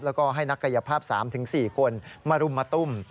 แล้วก็ให้นักกายภาพ๓๔คนมารุมมาตุ้ม